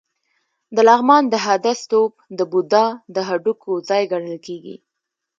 د لغمان د هده ستوپ د بودا د هډوکو ځای ګڼل کېږي